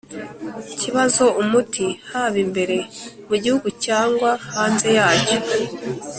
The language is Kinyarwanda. kibazo umuti, haba imbere mu gihugu cyangwa hanze yacyo.